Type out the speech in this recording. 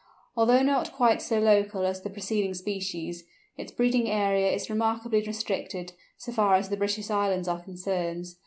Although not quite so local as the preceding species, its breeding area is remarkably restricted, so far as the British Islands are concerned.